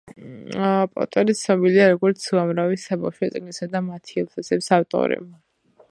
პოტერი ცნობილია, როგორც უამრავი საბავშვო წიგნისა და მათი ილუსტრაციების ავტორი.